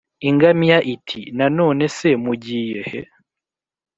ingamiya iti ' na nonese mugiye he;